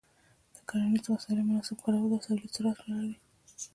د کرنیزو وسایلو مناسب کارول د تولید سرعت لوړوي.